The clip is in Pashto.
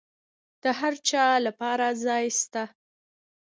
د هرچا لپاره ځای سته.